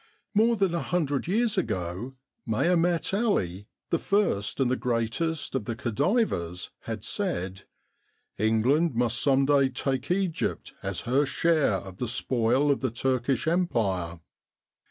More than a hundred years ago Mehemet Ali, the first and the greatest of the Khedives, had said, " England must some day take Egypt as her share of the spoil of the Turkish Empire.'